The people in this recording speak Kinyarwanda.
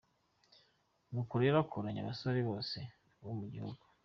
Ni uko rero akoranya abasore bose bo mu gihugu,.